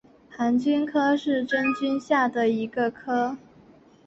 盘菌科是真菌下的一个科。